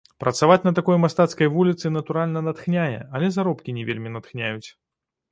Працаваць на такой мастацкай вуліцы, натуральна, натхняе, але заробкі не вельмі натхняюць.